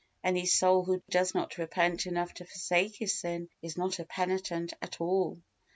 Any soul who does not repent enough to forsake his sin, is _not a penitent at all!